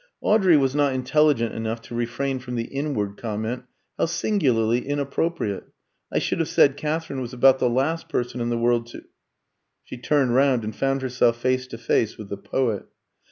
Audrey was not intelligent enough to refrain from the inward comment, "How singularly inappropriate! I should have said Katherine was about the last person in the world to " She turned round and found herself face to face with the poet.